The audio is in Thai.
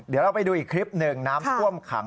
เดี๋ยวเราไปดูอีกคลิปหนึ่งน้ำท่วมขัง